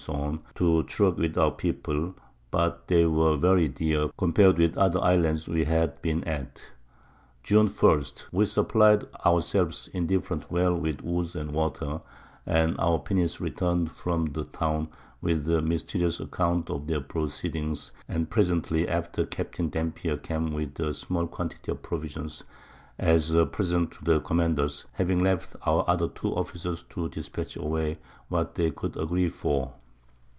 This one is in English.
_ to truck with our People, but they were very dear, compar'd with the other Islands we had been at. June 1. We supply'd our selves indifferent well with Wood and Water, and our Pinnace return'd from the Town, with a mysterious Account of their Proceedings, and presently after Captain Dampier came with a small Quantity of Provisions, as a Present to the Commanders, having left our other two Officers to dispatch away what they could agree for.